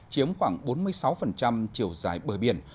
chiếm khoảng bốn mươi sáu chiều dài bờ biển